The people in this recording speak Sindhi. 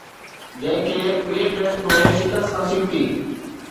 جنهن کي ٻئي ٽيسٽ ۾ شڪست نصيب ٿي